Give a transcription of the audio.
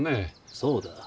そうだ。